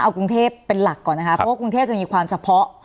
เอากรุงเทพเป็นหลักก่อนนะคะเพราะว่ากรุงเทพจะมีความเฉพาะ